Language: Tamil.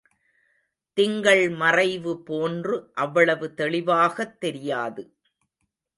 திங்கள் மறைவு போன்று அவ்வளவு தெளிவாகத் தெரியாது.